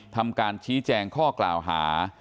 ทำการชี้แจงข้อกล่าวหา